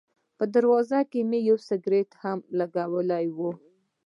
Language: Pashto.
په دروازه کې مې یو سګرټ هم ولګاوه.